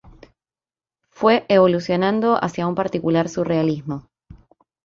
Fue evolucionando hacia un particular Surrealismo.